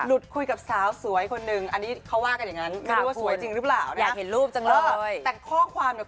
อุ้ยลุกกันเหลือเกิน